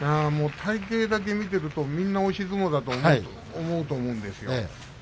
体形だけ見てるとみんな押し相撲だと思うと思うんですよ。